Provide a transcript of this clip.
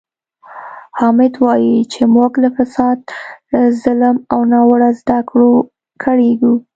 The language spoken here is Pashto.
حامد وایي چې موږ له فساد، ظلم او ناوړه زده کړو کړېږو.